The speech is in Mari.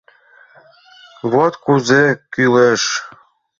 «Вот кузе кӱлеш!